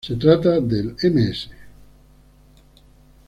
Se trata del Ms.